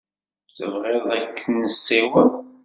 Tebɣiḍ ad k-nessiweḍ?